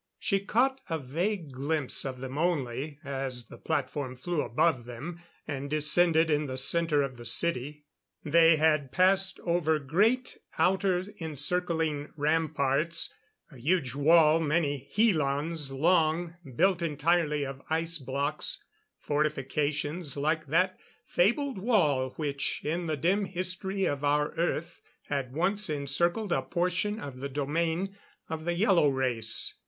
She caught a vague glimpse of them only, as the platform flew above them and descended in the center of the city. They had passed over great outer encircling ramparts a huge wall many helans long built entirely of ice blocks fortifications like that fabled wall which in the dim history of our Earth had once encircled a portion of the domain of the Yellow Race.